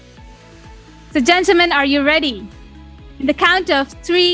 jadi teman teman apakah kalian siap